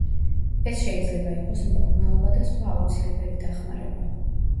ეს შეიძლება იყოს მკურნალობა და სხვა აუცილებელი დახმარება.